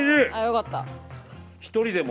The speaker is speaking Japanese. よかった。